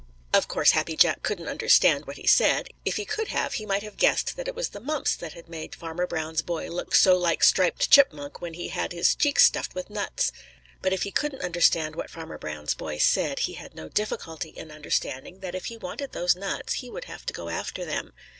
Of course Happy Jack couldn't understand what he said. If he could have, he might have guessed that it was the mumps that had made Farmer Brown's boy look so like Striped Chipmunk when he has his cheeks stuffed with nuts. But if he couldn't understand what Farmer Brown's boy said, he had no difficulty in understanding that if he wanted those nuts he would have to go after them.